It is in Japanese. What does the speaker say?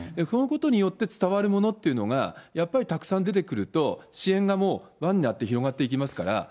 そのことによって伝わるものっていうのが、やっぱりたくさん出てくると、支援がもう輪になって広がっていきますから。